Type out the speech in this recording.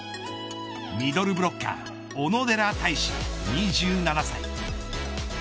ミドルブロッカー、小野寺太志２７歳。